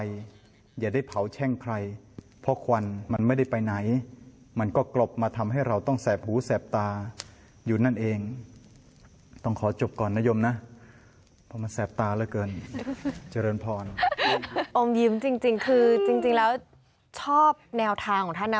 อมยิ้มจริงคือจริงแล้วชอบแนวทางของท่านนะ